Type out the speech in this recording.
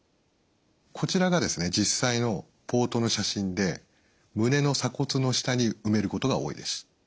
こちらが実際のポートの写真で胸の鎖骨の下に埋めることが多いです。